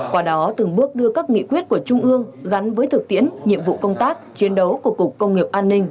qua đó từng bước đưa các nghị quyết của trung ương gắn với thực tiễn nhiệm vụ công tác chiến đấu của cục công nghiệp an ninh